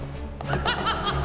ハハハハハ！